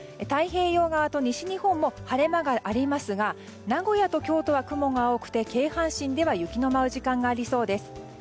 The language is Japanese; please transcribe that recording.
太平洋側と西日本も晴れ間がありますが名古屋と京都は雲が多くて京阪神では雪の舞う時間がありそうです。